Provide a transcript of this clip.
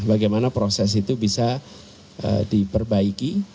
bagaimana proses itu bisa diperbaiki